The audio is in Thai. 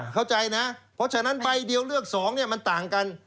เข้าใจนะเพราะฉะนั้นใบเดียวเลือก๒มันต่างกัน